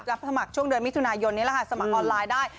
สมัครช่วงเดือนมิถุนายนนี้แหละค่ะสมัครออนไลน์ได้